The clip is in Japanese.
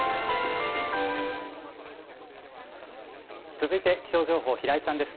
続いて気象情報、平井さんです。